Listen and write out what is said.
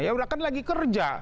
ya udah kan lagi kerja